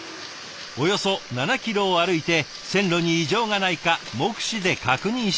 およそ７キロを歩いて線路に異常がないか目視で確認していきます。